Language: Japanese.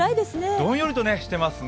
どんよりとしてますね。